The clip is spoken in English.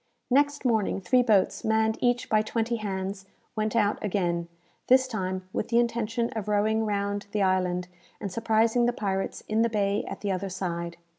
Next morning three boats, manned each by twenty hands, went out again this time with the intention of rowing round the island, and surprising the pirates in the bay at the other side.